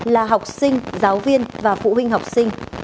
là học sinh giáo viên và phụ huynh học sinh